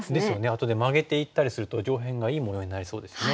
あとでマゲていったりすると上辺がいいものになりそうですね。